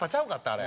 あれ。